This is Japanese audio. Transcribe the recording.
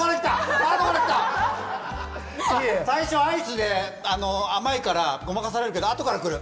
最初アイスで甘いからごまかされるけど、後から来る！